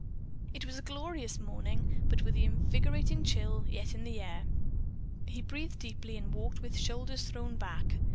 It was a glorious morning, but with the invigorating chill yet in the air. He breathed deeply and walked with shoulders thrown back.